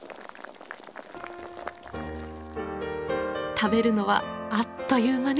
食べるのはあっという間ね。